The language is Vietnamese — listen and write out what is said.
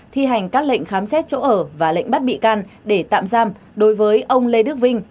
thi hành các lệnh khám xét chỗ ở và lệnh bắt bị can để tạm giam đối với ông lê đức vinh